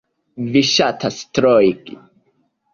Vi ŝatas troigi!